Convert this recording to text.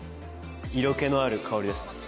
色気のある香りです。